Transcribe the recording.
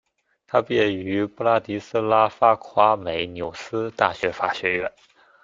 他毕业于布拉迪斯拉发夸美纽斯大学法学院。